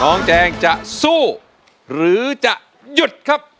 แจงจะสู้หรือจะหยุดครับ